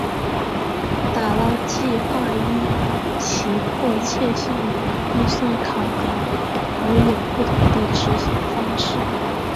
打捞计画依其迫切性与预算考量而有不同的执行方式。